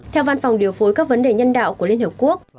theo văn phòng điều phối các vấn đề nhân đạo của liên hợp quốc